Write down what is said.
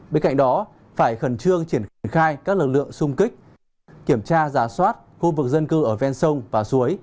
bên cạnh đó phải khẩn trương triển khai các lực lượng xung kích kiểm tra giả soát khu vực dân cư ở ven sông và suối